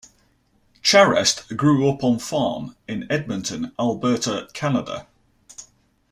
Charest grew up on farm in Edmonton, Alberta, Canada.